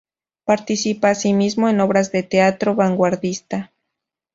Participa así mismo en obras de teatro vanguardista.